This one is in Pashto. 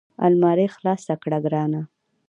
المارۍ خلاصه کړه ګرانه !